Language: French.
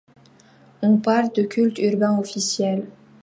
On parle de culte urbain officiel.